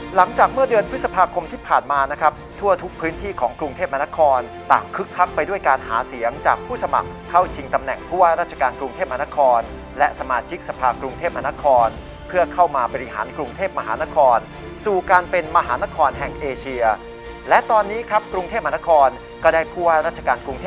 หลังจากเมื่อเดือนพฤษภาคมที่ผ่านมานะครับทั่วทุกพื้นที่ของกรุงเทพมนครต่างคึกคักไปด้วยการหาเสียงจากผู้สมัครเข้าชิงตำแหน่งผู้ว่าราชการกรุงเทพมหานครและสมาชิกสภากรุงเทพมหานครเพื่อเข้ามาบริหารกรุงเทพมหานครสู่การเป็นมหานครแห่งเอเชียและตอนนี้ครับกรุงเทพมหานครก็ได้ผู้ว่าราชการกรุงเทพ